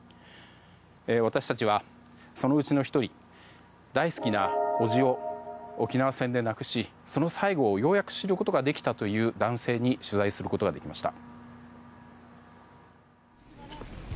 私たちは、そのうちの１人大好きな叔父を沖縄戦で亡くしその最期をようやく知ることができたという男性に取材することができました。